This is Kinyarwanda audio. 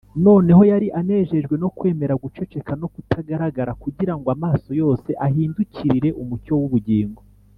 . Noneho yari anejejwe no kwemera guceceka no kutagaragara, kugira ngo amaso yose ahindukirire Umucyo w’Ubugingo